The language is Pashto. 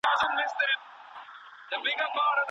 ایا لوی صادروونکي شین ممیز پلوري؟